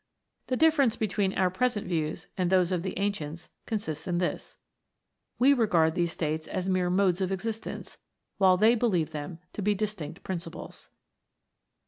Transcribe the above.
The difference between our present views and those of the ancients consists in this, we regard these states as mere modes of existence, while they believed them to be distinct principles.